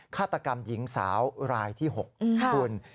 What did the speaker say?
ฆาตกรรมหญิงสาวรายที่๖คุณ